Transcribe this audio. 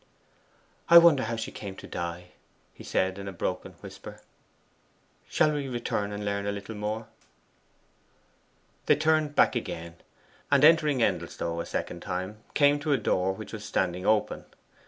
'I wonder how she came to die,' he said in a broken whisper. 'Shall we return and learn a little more?' They turned back again, and entering Endelstow a second time, came to a door which was standing open.